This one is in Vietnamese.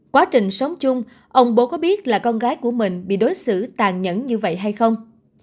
quá trình sống chung ông bố có biết là con gái của mình bị đối xử tàn nhẫn như vậy hay không